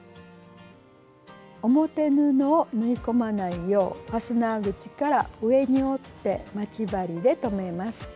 表布を縫い込まないようファスナー口から上に折って待ち針で留めます。